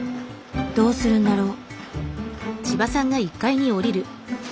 どうするんだろう。